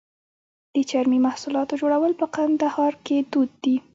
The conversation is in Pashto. د چرمي محصولاتو جوړول په کندهار کې دود دي.